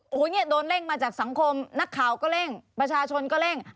โอ้โหเนี่ยโดนเร่งมาจากสังคมนักข่าวก็เร่งประชาชนก็เร่ง